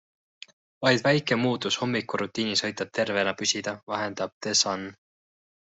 Vaid väike muutus hommikurutiinis aitab terve püsida, vahendab The Sun.